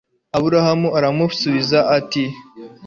aburahamu aramusubiza ati